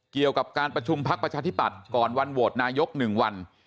เกี่ยวกับการประชุมพักประชาธิปัตย์ก่อนวันโหวตนายก๑วัน